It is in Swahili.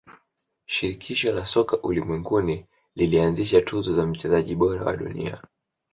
shirikisho la soka ulimwenguni lilianzisha tuzo za mchezaji bora wa dunia